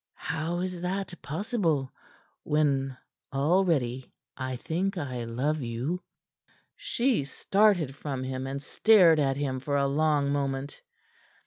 "How is that possible, when, already I think I love you." She started from him, and stared at him for a long moment.